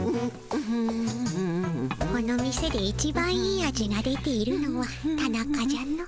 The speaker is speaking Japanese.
この店でいちばんいい味が出ているのはタナカじゃの。